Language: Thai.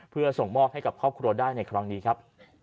เพื่อส่งมอบให้กับครอบครัวได้ในครั้งนี้ครับ